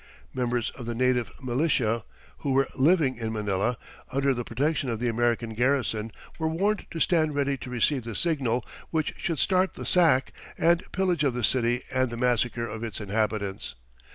Members of the native militia who were living in Manila under the protection of the American garrison were warned to stand ready to receive the signal which should start the sack and pillage of the city and the massacre of its inhabitants.